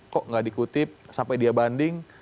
kok nggak dikutip sampai dia banding